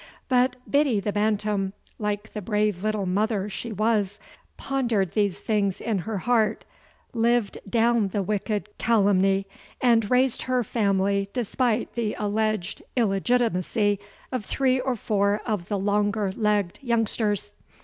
But Biddy the Bantam, like the brave little mother she was, pondered these things in her heart, lived down the wicked calumny and raised her family despite the alleged illegitimacy of three or four of the longer legged youngsters.